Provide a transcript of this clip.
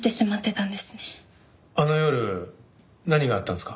あの夜何があったんですか？